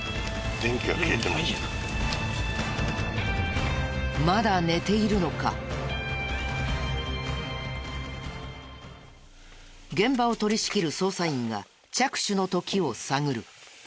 現場を取り仕切る捜査員が着手の時を探る。